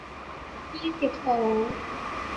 ยี่สิบสอง